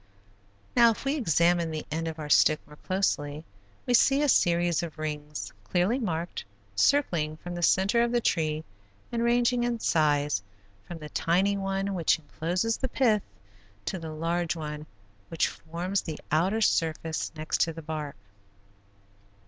Now, if we examine the end of our stick more closely we see a series of rings, clearly marked, circling from the center of the tree and ranging in size from the tiny one which encloses the pith, to the large one which forms the outer surface next to the bark.